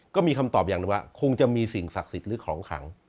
ก็มีคำตอบอย่างหนึ่งว่าคงจะมีสิ่งศักดิ์สิทธิ์หรือของขัง